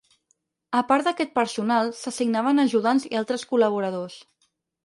A part d'aquest personal s'assignaven ajudants i altres col·laboradors.